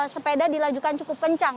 sepeda dilajukan cukup kencang